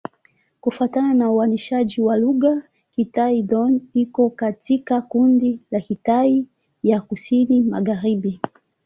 Kufuatana na uainishaji wa lugha, Kitai-Dón iko katika kundi la Kitai ya Kusini-Magharibi.